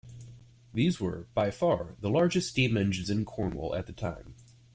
These were by far the largest steam engines in Cornwall at the time.